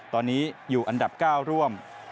ตอนนี้อยู่อันดับ๙ร่วม